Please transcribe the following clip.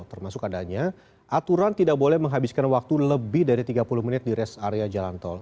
termasuk adanya aturan tidak boleh menghabiskan waktu lebih dari tiga puluh menit di rest area jalan tol